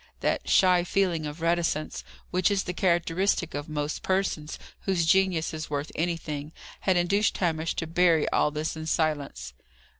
That shy feeling of reticence, which is the characteristic of most persons whose genius is worth anything, had induced Hamish to bury all this in silence.